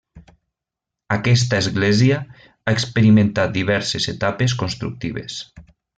Aquesta església ha experimentat diverses etapes constructives.